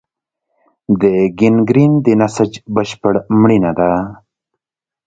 د ګینګرین د نسج بشپړ مړینه ده.